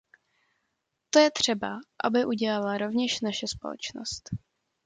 To je třeba, aby udělala rovněž naše společnost.